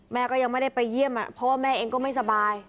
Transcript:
แม่ก็ยังไม่ได้ไปเยี่ยมเพราะว่าแม่เองก็ไม่สบาย